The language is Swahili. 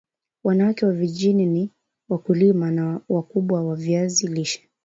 wanawake wa vijijini ni wakulima wa wakubwa wa viazi lishe